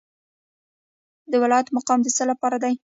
د ولایت مقام د څه لپاره دی؟